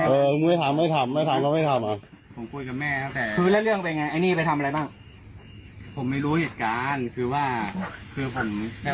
ผู้ใหญไปอยู่ไหนคะผู้ใหญไป